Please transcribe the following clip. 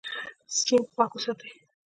سیند پاک وساتئ.